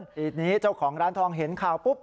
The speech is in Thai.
ทีนี้เจ้าของร้านทองเห็นข่าวปุ๊บ